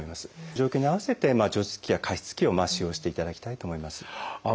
状況に合わせて除湿器や加湿器を使用していただきたいと思います。